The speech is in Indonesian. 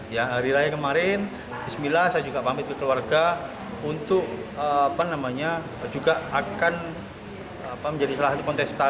ya hari raya kemarin bismillah saya juga pamit ke keluarga untuk apa namanya juga akan menjadi salah satu kontestan